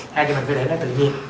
hay là mình phải để nó tự nhiên